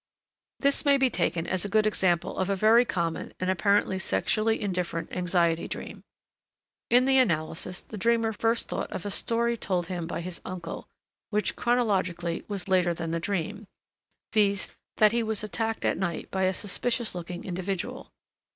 This may be taken as a good example of a very common, and apparently sexually indifferent, anxiety dream. In the analysis the dreamer first thought of a story told him by his uncle, which chronologically was later than the dream, viz. that he was attacked at night by a suspicious looking individual.